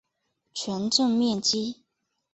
全镇面积。